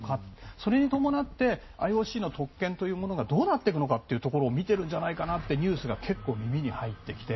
それに伴ってＩＯＣの特権というものがどうなっていくのかというところを見ているんじゃないかというニュースが結構、耳に入ってきて。